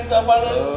si nek apa aja